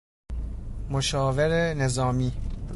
مشاور نظامی